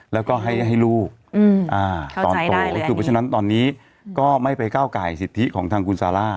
แล้วก็ให้ลูกงานตอนนี้ก็ไม่ไปก้าวกว่าใช้สิทธิของทางครูซาร่า